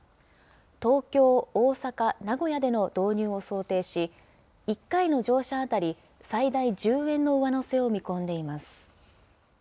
東京、大阪、名古屋での導入を想定し、１回の乗車当たり最大１０円の上乗せを見込んでいます。